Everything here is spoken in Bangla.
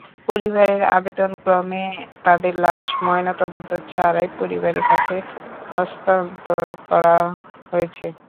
পরিবারের আবেদনক্রমে তাদের লাশ ময়নাতদন্ত ছাড়াই পরিবারের কাছে হস্তান্তর করা হয়েছে।